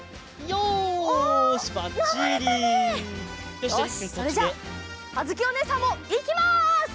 よしそれじゃああづきおねえさんもいきます！